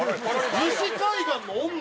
西海岸の女やん。